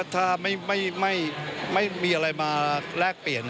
ถ้าไม่มีอะไรมาแลกเปลี่ยน